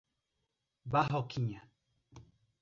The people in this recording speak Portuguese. Barroquinha